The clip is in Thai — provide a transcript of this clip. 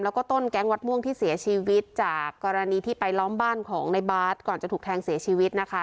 แล้วก็ต้นแก๊งวัดม่วงที่เสียชีวิตจากกรณีที่ไปล้อมบ้านของในบาสก่อนจะถูกแทงเสียชีวิตนะคะ